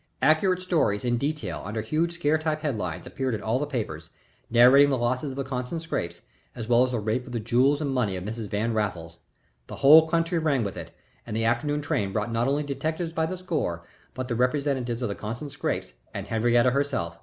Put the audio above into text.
Accurate stories in detail under huge scare type headlines appeared in all the papers, narrating the losses of the Constant Scrappes, as well as the rape of the jewels and money of Mrs. Van Raffles. The whole country rang with it, and the afternoon train brought not only detectives by the score, but the representative of the Constant Scrappes and Henriette herself.